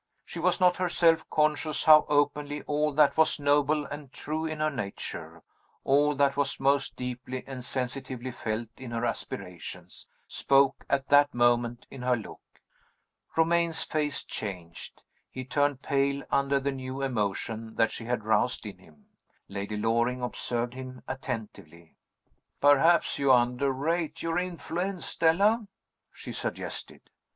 She was not herself conscious how openly all that was noble and true in her nature, all that was most deeply and sensitively felt in her aspirations, spoke at that moment in her look. Romayne's face changed: he turned pale under the new emotion that she had roused in him. Lady Loring observed him attentively. "Perhaps you underrate your influence, Stella?" she suggested.